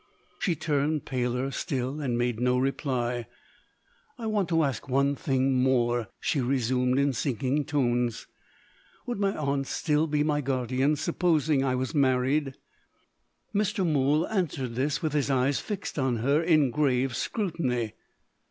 She turned paler still, and made no reply. "I want to ask one thing more?" she resumed, in sinking tones. "Would my aunt still be my guardian supposing I was married?" Mr. Mool answered this, with his eyes fixed on her in grave scrutiny.